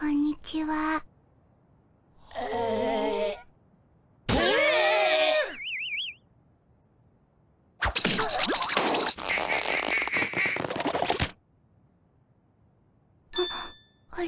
はっあれ？